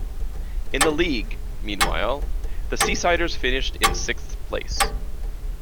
In the league, meanwhile, the Seasiders finished in sixth place.